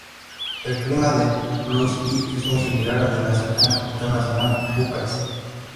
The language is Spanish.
El clima de Ploiești es muy similar al de la cercana capital nacional, Bucarest.